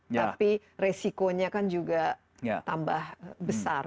tapi resikonya kan juga tambah besar